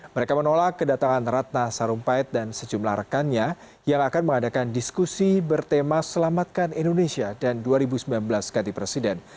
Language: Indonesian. mereka menolak kedatangan ratna sarumpait dan sejumlah rekannya yang akan mengadakan diskusi bertema selamatkan indonesia dan dua ribu sembilan belas ganti presiden